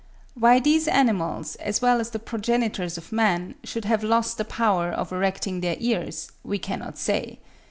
Why these animals, as well as the progenitors of man, should have lost the power of erecting their ears, we cannot say.